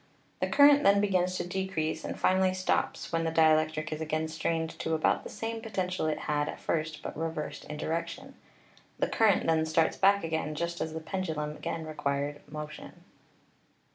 The current then begins to decrease and finally stops when the dielectric is again strained to about the same potential it had at first but reversed in direction. The current then starts back again just as the pendulum again acquired mo tion.